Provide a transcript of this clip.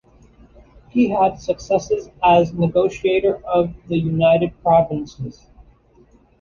He had successes as negotiator of the United Provinces.